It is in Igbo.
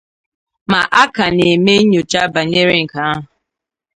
ma a ka na-eme nnyocha banyere nke ahụ